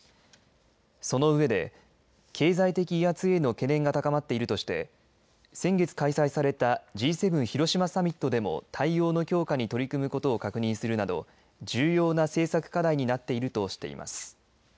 その上で経済的威圧への懸念が高まっているとして先月開催されたＧ７広島サミットでも対応の強化に取り組むことを確認するなど重要な政策課題になっているとしています。